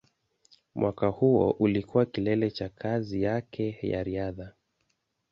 Mwaka huo ulikuwa kilele cha kazi yake ya riadha.